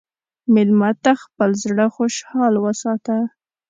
مېلمه ته خپل زړه خوشحال وساته.